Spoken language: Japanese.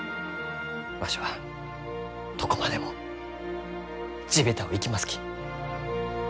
わしはどこまでも地べたを行きますき。